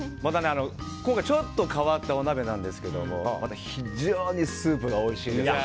今回、ちょっと変わったお鍋なんですけども非常にスープがおいしいです。